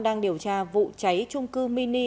đang điều tra vụ cháy trung cư mini